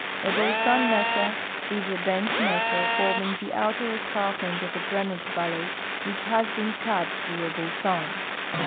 A bolson mesa is a bench mesa form ing the outer escarpment of a drainage valley v'hicb has l>een cut through a bolson.